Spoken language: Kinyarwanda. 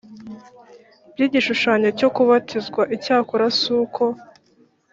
bw igishushanyo cyo kubatizwa icyakora si uko